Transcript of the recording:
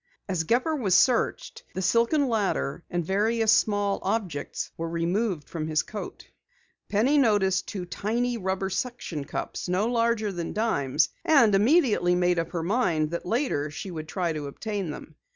As Gepper was searched, the silken ladder, and various small objects were removed from his coat. Penny noticed two tiny rubber suction cups no larger than dimes, and immediately made up her mind that later she would try to obtain them.